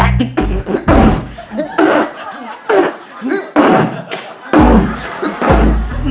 หาร้องหน่อย